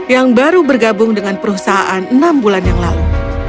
yang baru bergabung dengan perusahaan enam bulan yang lalu